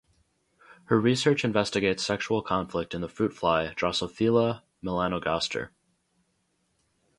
Her research investigates sexual conflict in the fruit fly "Drosophila melanogaster".